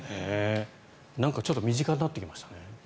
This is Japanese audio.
ちょっと身近になってきましたね。